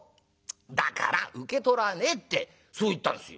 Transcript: だから受け取らねえってそう言ったんですよ。